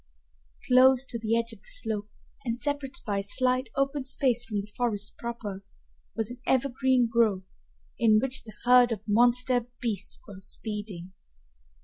Close to the edge of the slope, and separated by a slight open space from the forest proper, was an evergreen grove, in which the herd of monster beasts was feeding.